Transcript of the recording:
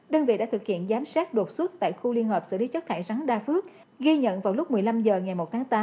đơn vị đã thực hiện giám sát đột xuất tại khu liên hợp xử lý chất thải rắn đa phước ghi nhận vào lúc một mươi năm h ngày một tháng tám